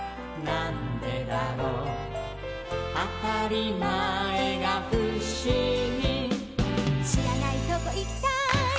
なんでだろう」「あたりまえがふしぎ」「しらないとこいきたい」